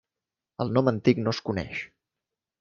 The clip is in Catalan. El nom antic no es coneix.